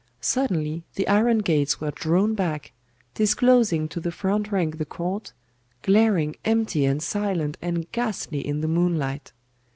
Suddenly, the iron gates were drawn back, disclosing to the front rank the court, glaring empty and silent and ghastly in the moonlight.